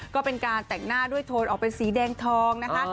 ก็เป็นการแต่งหน้าด้วยโทนออกเป็นสีแดงทองนะคะ